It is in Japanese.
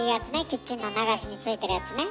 キッチンの流しについてるやつね。